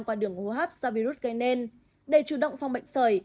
qua đường hô hấp do virus gây nên để chủ động phòng bệnh sởi